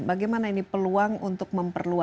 bagaimana ini peluang untuk memperluas